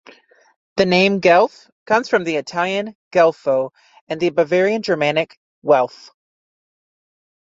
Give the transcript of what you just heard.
The name Guelph comes from the Italian "Guelfo" and the Bavarian-Germanic "Welf".